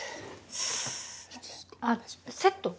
あっセット？